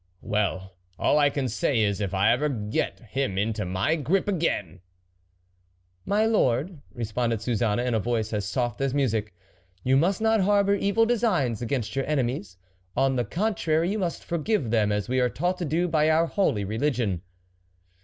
" Well, all I can say is, if ever I get him into my grip again !..." "My lord," responded Suzanne, in a voice as soft as music, "you must not harbour evil designs against your enemies ; on the contrary, you must forgive them as we are taught to do by our Holy Religion."